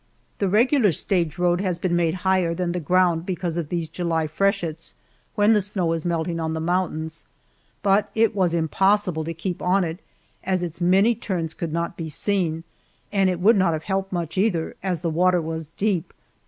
The regular stage road has been made higher than the ground because of these July freshets, when the snow is melting on the mountains, but it was impossible to keep on it, as its many turns could not be seen, and it would not have helped much either, as the water was deep.